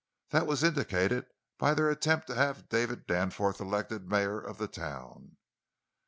That was indicated by their attempt to have David Danforth elected mayor of the town.